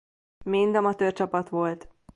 Mind amatőr csapat volt.